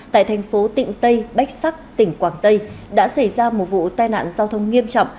tại thành phố tịnh tây bách sắc tỉnh quảng tây đã xảy ra một vụ tai nạn giao thông nghiêm trọng